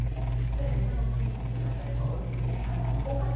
だから今のうちにという方、多いですね。